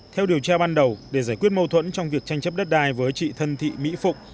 theo điều tra ban đầu để giải quyết mâu thuẫn trong việc tranh chấp đất đai với chị thân thị mỹ phụng